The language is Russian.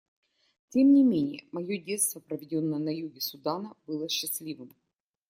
Тем не менее мое детство, проведенное на юге Судана, было счастливым.